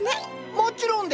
もちろんです。